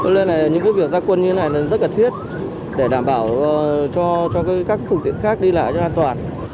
nên là những việc gia quân như thế này rất cần thiết để đảm bảo cho các phương tiện khác đi lại cho an toàn